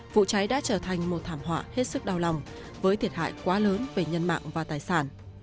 vụ cháy đã trở thành một thảm họa hết sức đau lòng với thiệt hại quá lớn về nhân mạng và tài sản